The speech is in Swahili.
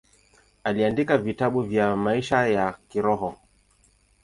Aliandika vitabu vya maisha ya kiroho.